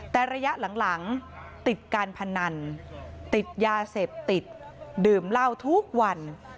แต่ระยะหลังติดการพนันติดยาเสพติดดื่มเหล้าทุกวัน